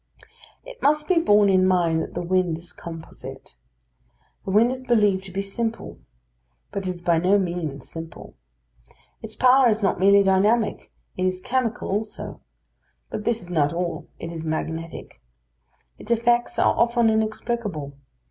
It must be borne in mind that the wind is composite. The wind is believed to be simple; but it is by no means simple. Its power is not merely dynamic, it is chemical also; but this is not all, it is magnetic. Its effects are often inexplicable.